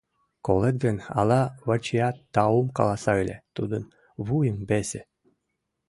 Колет гын, ала Вачиат таум каласа ыле, тудын вуйым весе...